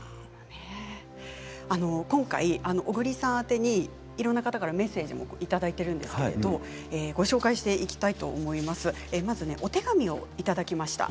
今回、小栗さん宛てにいろんな方からメッセージいただいているんですけどまずお手紙をいただきました。